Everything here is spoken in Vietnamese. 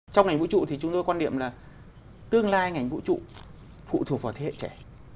trong ngành vũ trụ thì chúng tôi quan niệm là tương lai ngành vũ trụ phụ thuộc vào thế hệ trẻ